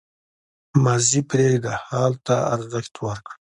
• ماضي پرېږده، حال ته ارزښت ورکړه.